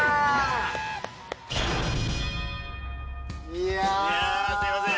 いやすいません。